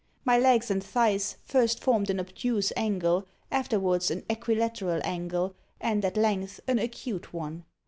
My legs and thighs first formed an obtuse angle, afterwards an equilateral angle, and at length, an acute one.